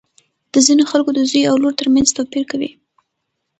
د ځینو خلکو د زوی او لور تر منځ توپیر کوي.